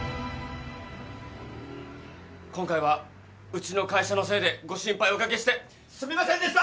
今回はうちの会社のせいでご心配をお掛けしてすみませんでした！